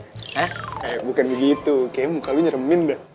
eh bukan begitu kayaknya muka lo nyeremin beb